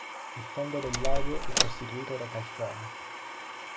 Il fondo del lago è costituito da calcare.